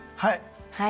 はい。